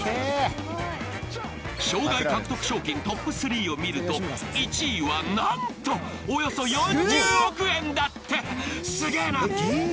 生涯獲得賞金トップ３を見ると、１位はなんと、およそ４０億円だって、すげぇな。